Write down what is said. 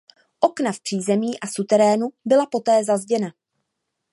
Okna v přízemí a suterénu byla poté zazděna.